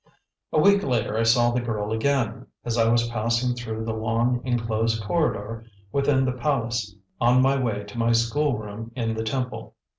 A week later I saw the girl again, as I was passing through the long enclosed corridor within the palace on my way to my school room in the temple.